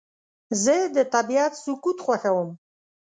زه د طبیعت سکوت خوښوم.